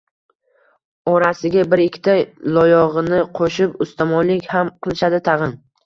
Orasiga bir-ikkita loyig‘ini qo‘shib ustamonlik ham qilishadi tag‘in.